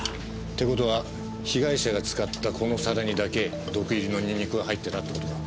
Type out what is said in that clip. って事は被害者が使ったこの皿にだけ毒入りのニンニクが入ってたって事か？